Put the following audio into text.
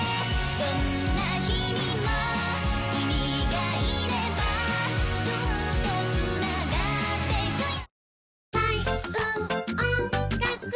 どんな日々も君がいればずっと繋がってゆくよ